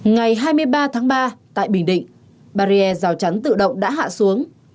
ngày hai mươi ba tháng ba tại bình định barrier rào chắn tự động đã hạ xuống